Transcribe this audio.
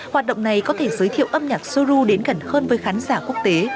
hoạt động này có thể giới thiệu âm nhạc sô ru đến gần hơn với khán giả quốc tế